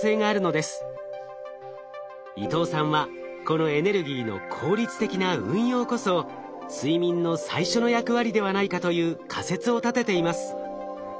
伊藤さんはこのエネルギーの効率的な運用こそ睡眠の最初の役割ではないかという仮説を立てています。